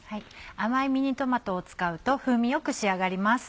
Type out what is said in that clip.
甘いミニトマトを使うと風味よく仕上がります。